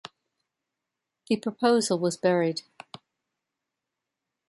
The proposal was buried.